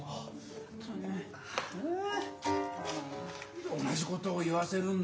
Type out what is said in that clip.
何度同じ事を言わせるんだ？